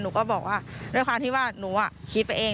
ก็บอกว่าด้วยความที่ว่าหนูคิดไปเอง